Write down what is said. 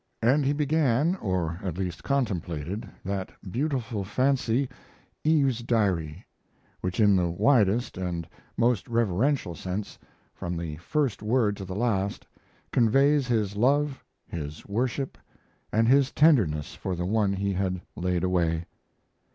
] and he began, or at least contemplated, that beautiful fancy, 'Eve's Diary', which in the widest and most reverential sense, from the first word to the last, conveys his love, his worship, and his tenderness for the one he had laid away.